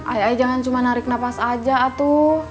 ayah jangan cuma narik nafas aja atuh